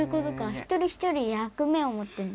一人一人役目をもってんだ。